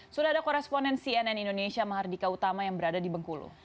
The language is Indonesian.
sudah ada koresponen cnn indonesia mahardika utama yang berada di bengkulu